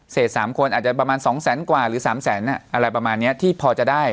๓คนอาจจะประมาณ๒แสนกว่าหรือ๓แสนอะไรประมาณนี้ที่พอจะได้